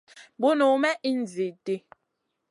Bunu may ìhn zida di.